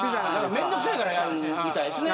面倒くさいからやるみたいですね。